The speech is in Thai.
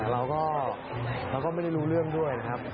เราก็ไม่ได้รู้เรื่องด้วยครับ